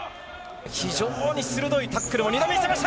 非常に鋭いタックルを２度見せました。